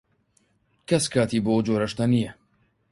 کەس کاتی بۆ ئەو جۆرە شتە نییە.